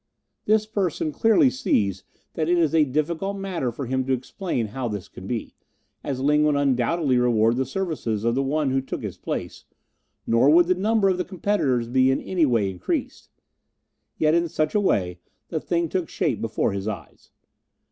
This person clearly sees that it is a difficult matter for him to explain how this could be, as Ling would undoubtedly reward the services of the one who took his place, nor would the number of the competitors be in any way increased; yet in such a way the thing took shape before his eyes.